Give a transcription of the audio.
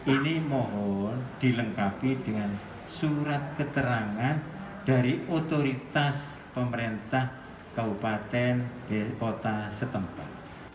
ini mohon dilengkapi dengan surat keterangan dari otoritas pemerintah kabupaten kota setempat